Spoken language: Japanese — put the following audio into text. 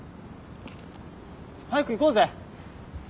早く行こうぜ。